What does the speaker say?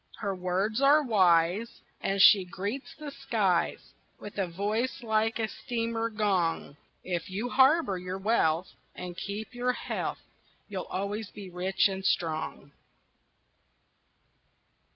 Her words are wise, And she greets the skies With a voice like a steamer gong: "If you harbor your wealth And keep your health, You'll always be rich and strong."